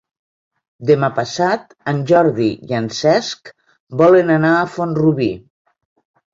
Demà passat en Jordi i en Cesc volen anar a Font-rubí.